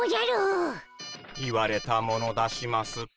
言われたもの出します。